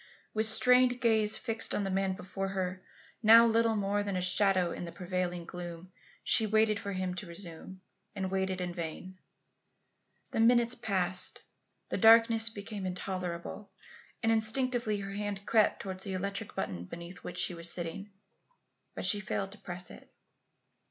With strained gaze fixed on the man before her, now little more than a shadow in the prevailing gloom, she waited for him to resume, and waited in vain. The minutes passed, the darkness became intolerable, and instinctively her hand crept towards the electric button beneath which she was sitting. But she failed to press it.